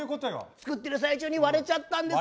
作ってる最中に割れちゃったんです。